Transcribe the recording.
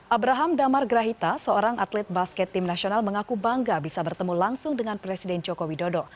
abraham damar grahita seorang atlet basket tim nasional mengaku bangga bisa bertemu langsung dengan presiden joko widodo